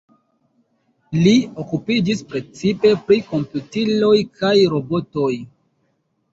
Li okupiĝis precipe pri komputiloj kaj robotoj.